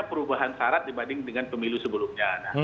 perubahan syarat dibanding dengan pemilu sebelumnya